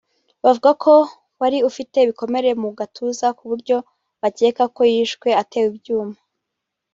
bavuga ko wari ufite ibikomere mu gatuza ku buryo bakeka ko yishwe atewe ibyuma